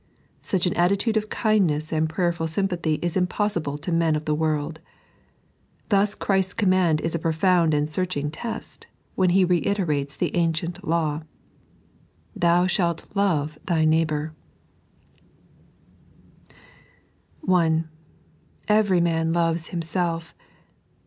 Such an attitude of kindness and prayer ful sympathy is impossible to men of the world. Thus Christ's command is a profound and searching test, when He reiterates the ancient law :" Thou bhalt lotb thy nbiohbous." (1) Every man love* hvmadf.